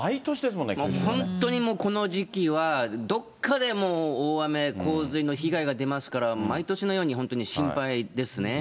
もう本当にこの時期はどこかで大雨、洪水の被害が出ますから、毎年のように本当に心配ですね。